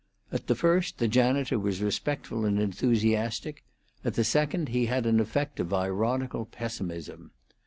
At the first the janitor was respectful and enthusiastic; at the second he had an effect of ironical pessimism.